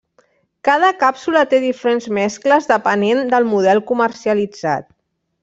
Cada càpsula té diferents mescles depenent del model comercialitzat.